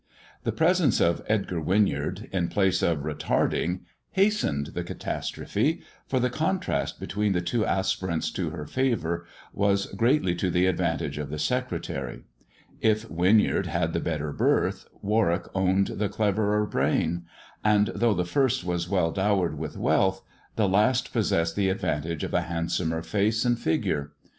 The presence of Edgar Winyard, in place of retarding, hastened the catastrophe, for the contrast between the two aspirants to her favour was greatly to the advantage of the secretary. If Winyard had the better birth, Warwick owned the cleverer brain ; and though the first was well dowered with wealth, the last possessed the advantage of a handsomer face and figure.